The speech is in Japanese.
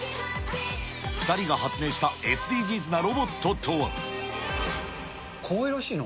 ２人が発明したＳＤＧｓなロボッかわいらしいな。